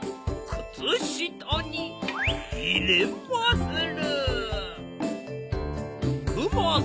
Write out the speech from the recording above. くつしたにいれまする。